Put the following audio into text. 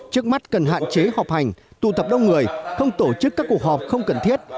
trước mắt cần hạn chế họp hành tụ tập đông người không tổ chức các cuộc họp không cần thiết